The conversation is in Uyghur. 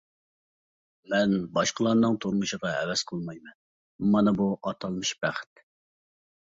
مەن باشقىلارنىڭ تۇرمۇشىغا ھەۋەس قىلمايمەن، مانا بۇ ئاتالمىش بەخت.